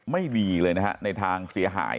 ไม่มีเรื่องเสียหาย